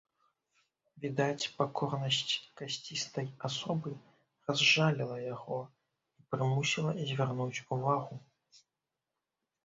Відаць, пакорнасць касцістай асобы разжаліла яго і прымусіла звярнуць увагу.